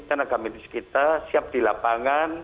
tenaga medis kita siap di lapangan